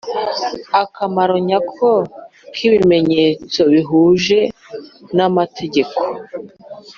akamaro nyako k'ibimenyetso bihuje n'amategeko.